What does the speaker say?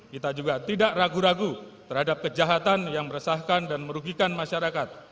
kita juga tidak ragu ragu terhadap kejahatan yang meresahkan dan merugikan masyarakat